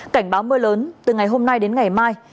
cảnh báo mưa lớn từ ngày hôm nay đến ngày mai